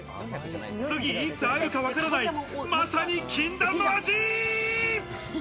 次いつ会えるかわからない、まさに禁断の味。